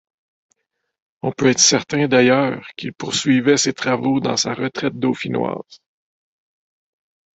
On peut être certain d'ailleurs qu'il poursuivait ses travaux dans sa retraite dauphinoise.